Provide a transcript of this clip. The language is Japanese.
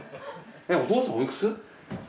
お父さんおいくつ？